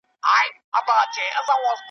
په څو ورځو کي پخه انډیوالي سوه .